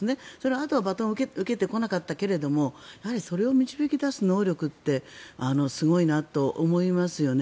あとはバトンを受けてこなかったけどもそれを導き出す能力ってすごいなと思いますよね。